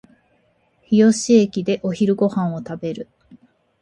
日吉駅でお昼ご飯を食べる